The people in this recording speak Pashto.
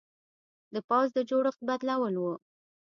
د پوځ د جوړښت بدلول و.